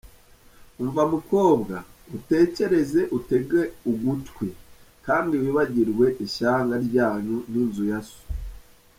Umva mukobwa, utekereze utege ugutwi, Kandi wibagirwe ishyanga ryanyu n’inzu ya so.